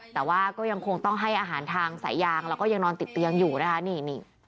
แต่ว่าก็ยังคงต้องให้อาหารทางสายยางแล้วก็ยังนอนติดเตียงอยู่นะคะนี่